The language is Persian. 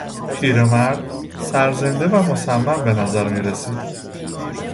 پیرمرد، سرزنده و مصمم به نظر میرسید.